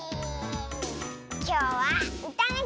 きょうはうたのひ。